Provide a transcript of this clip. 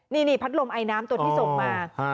นี่พัดลมไอน้ำตัวที่ส่งมา